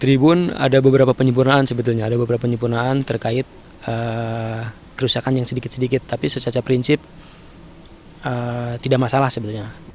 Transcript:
tribun ada beberapa penyempurnaan sebetulnya ada beberapa penyempurnaan terkait kerusakan yang sedikit sedikit tapi secara prinsip tidak masalah sebetulnya